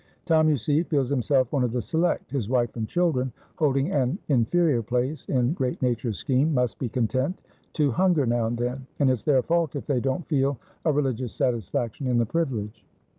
Tom, you see, feels himself one of the Select; his wife and children, holding an inferior place in great nature's scheme, must be content to hunger now and then, and it's their fault if they don't feel a religious satisfaction in the privilege."